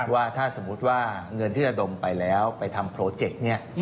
ว่าถ้าสมมุติว่าเงินที่ระดมไปแล้วไปทำโปรเจกต์เนี่ย